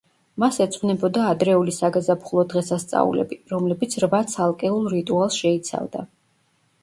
მას ეძღვნებოდა ადრეული საგაზაფხულო დღესასწაულები, რომლებიც რვა ცალკეულ რიტუალს შეიცავდა.